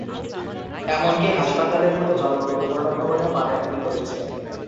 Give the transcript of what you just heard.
এমনকি হাসপাতালের মতো জনগুরুত্বপূর্ণ ভবনেও পানি ঢুকে পড়েছে।